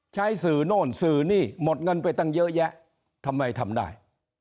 ใช้สื่อโน่นสื่อนี่หมดเงินไปตั้งเยอะแยะทำไมทำได้